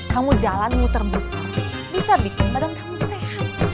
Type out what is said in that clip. kamu jalan muter muter bisa bikin badan kamu sehat